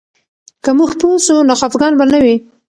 که موږ پوه سو، نو خفګان به نه وي.